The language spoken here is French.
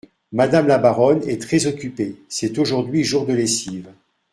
Madame la baronne est très occupée, c’est aujourd’hui jour de lessive.